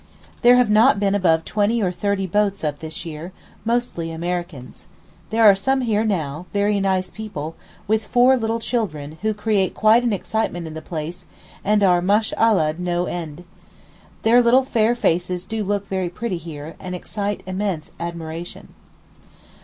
There have not been above twenty or thirty boats up this year—mostly Americans. There are some here now, very nice people, with four little children, who create quite an excitement in the place, and are 'mashallahed' no end. Their little fair faces do look very pretty here, and excite immense admiration.